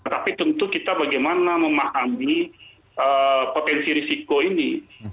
tapi tentu kita bagaimana memahami potensi risiko ini